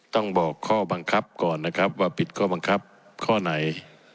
ต้องบอกข้อบังคับก่อนนะครับว่าผิดข้อบังคับข้อไหน